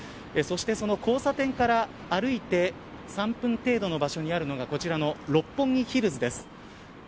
そして交差点から歩いて３分程度の場所にあるのがこちらの六本木ヒルズです。